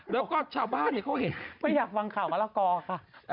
แล้วก็ชาวบ้านเขาเห็นไม่อยากฟังข่าวมะละกอค่ะ